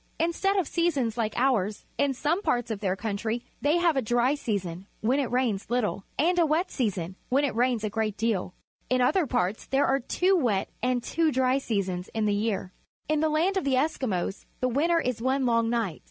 Instead of seasons like ours, in some parts of their country they have a dry season, when it rains little, and a wet season, when it rains a great deal. In other parts there are two wet and two dry seasons in the year. In the land of the Eskimos the winter is one long night.